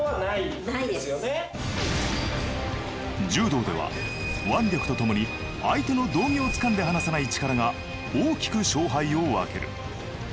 柔道では腕力とともに相手の道着をつかんで離さない力が大きく勝敗を分ける。